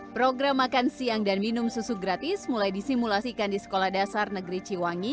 program makan siang dan minum susu gratis mulai disimulasikan di sekolah dasar negeri ciwangi